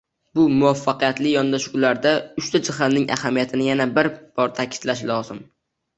Bu muvaffaqiyatli yondashuvlarda uchta jihatning ahamiyatini yana bir bor ta'kidlash lozim: